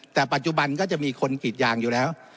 แต่ปัจจุบันก็จะมีคนกรีดยางอยู่แล้ว